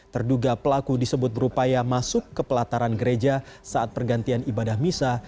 terduga pelaku disebut berupaya masuk ke pelataran gereja saat pergantian ibadah misa